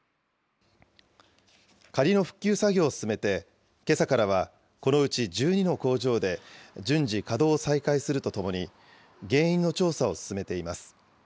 仮の復旧作業を進めて、けさからはこのうち１２の工場で順次、稼働を再開するとともに、原因の調査を進めています。